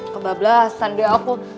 kebablasan deh aku